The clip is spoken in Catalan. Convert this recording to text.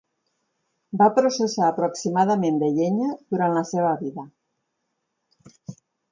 Va processar aproximadament de llenya durant la seva vida.